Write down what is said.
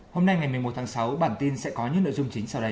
hôm nay ngày một mươi một tháng sáu bản tin sẽ có những nội dung chính sau đây